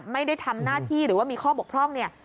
ไม่ได้ทำหน้าที่หรือว่ามีข้อบกพร่องเนี่ย